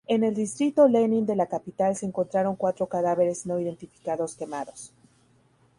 En el distrito Lenin de la capital se encontraron cuatro cadáveres no identificados quemados.